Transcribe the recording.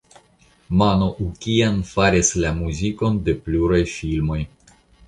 Manoukian faris la muzikon de pluraj filmoj.